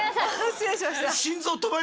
失礼しました。